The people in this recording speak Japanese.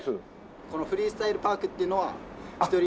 このフリースタイルパークっていうのは一人一人で。